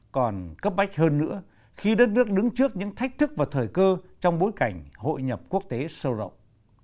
còn cấp bách hơn nữa khi đất nước đứng trước những thách thức và thời cơ trong bối cảnh hội nhập quốc tế sâu rộng